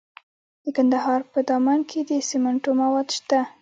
د کندهار په دامان کې د سمنټو مواد شته.